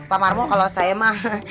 pak marmo kalau saya mah